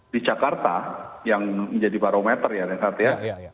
di jakarta yang menjadi barometer ya dan saat ini